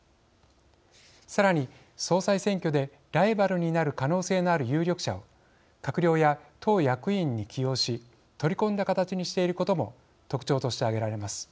さらに総裁選挙でライバルになる可能性のある有力者を閣僚や党役員に起用し取り込んだ形にしていることも特徴として挙げられます。